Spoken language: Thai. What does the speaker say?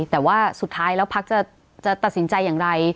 แต่ว่าสุดท้ายแล้วพักจะตัดสินใจอย่างไร